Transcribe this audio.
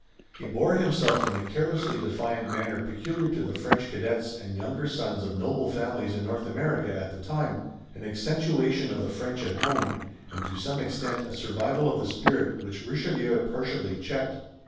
He bore himself in the carelessly defiant manner peculiar to the French cadets and younger sons of noble families in North America at the time, an accentuation of the French at home, and to some extent a survival of the spirit which Richelieu partially checked.